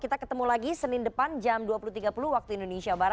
kita ketemu lagi senin depan jam dua puluh tiga puluh wib